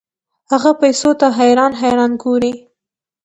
هغه پیسو ته حیران حیران ګوري.